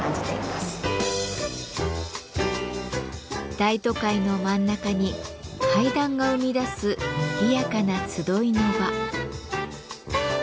大都会の真ん中に階段が生み出すにぎやかな集いの場。